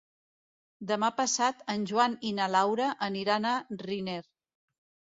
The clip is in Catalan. Demà passat en Joan i na Laura aniran a Riner.